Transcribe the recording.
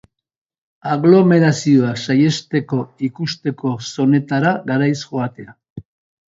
Aglomerazioak saihesteko ikusteko zonetara garaiz joatea.